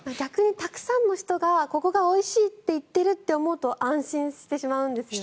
たくさんの人がここがおいしいって言っていると思うと安心してしまうんですよね。